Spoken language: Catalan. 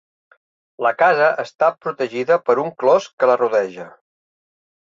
La casa està protegida per un clos que la rodeja.